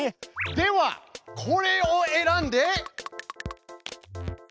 ではこれを選んで。